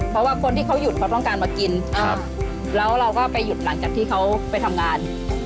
เพราะว่าคนที่เขาหยุดเขาต้องการมากินแล้วเราก็ไปหยุดหลังจากที่เขาไปทำงาน